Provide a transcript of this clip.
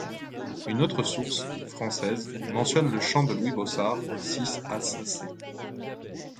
Une autre source, française, mentionne le champ de Louis Bossard, sis à Sacey.